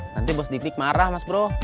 nanti bos didik marah mas bro